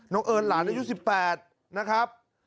น้องเอิญหลานแล้ว๑๘นะครับ